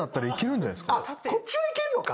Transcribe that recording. こっちはいけるのか。